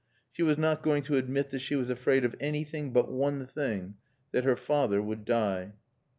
She was not going to admit that she was afraid of anything but one thing that her father would die.